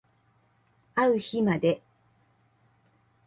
あう日まで